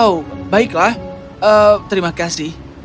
oh baiklah terima kasih